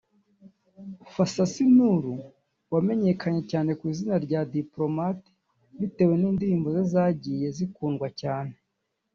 Fassasi Nuru wamenyekanye cyane ku izina rya Diplomate bitewe n’indirimbo ze zagiye zikundwa cyane